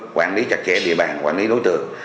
quản lý chặt chẽ địa bàn quản lý đối tượng